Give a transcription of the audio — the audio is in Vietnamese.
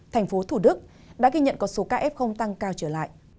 thành phố thủ đức đã ghi nhận có số kf tăng cao trở lại